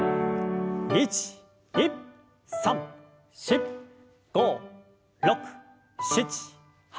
１２３４５６７８。